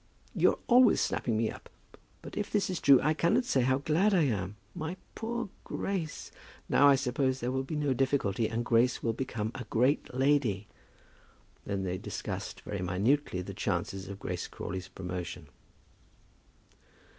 "You're always snapping me up. But if this is true, I cannot say how glad I am. My poor Grace! Now, I suppose, there will be no difficulty, and Grace will become a great lady." Then they discussed very minutely the chances of Grace Crawley's promotion.